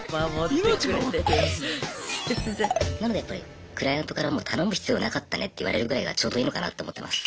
なのでクライアントから「頼む必要なかったね」って言われるぐらいがちょうどいいのかなと思ってます。